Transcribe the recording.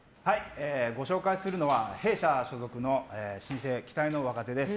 ご紹介するのは弊社所属の新星期待の若手です。